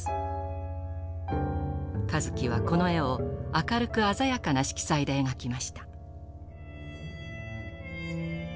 香月はこの絵を明るく鮮やかな色彩で描きました。